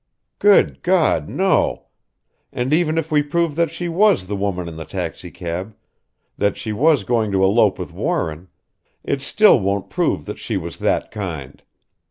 "Good God! no! And even if we prove that she was the woman in the taxicab that she was going to elope with Warren it still won't prove that she was that kind.